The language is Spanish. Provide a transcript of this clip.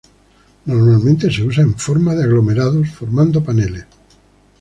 Normalmente se usa en forma de aglomerados, formando paneles.